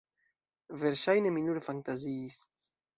Verŝajne mi nur fantaziis.